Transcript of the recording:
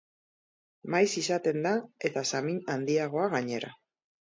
Maiz izaten da, eta samin handiagoa gainera.